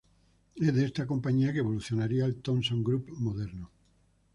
Es de esta compañía que evolucionaría el Thomson Group moderno.